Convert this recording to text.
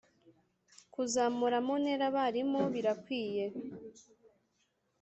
kuzamura mu ntera abarimu birakwiye